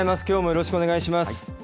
きょうもよろしくお願いします。